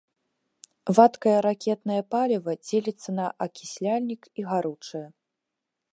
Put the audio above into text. Вадкае ракетнае паліва дзеліцца на акісляльнік і гаручае.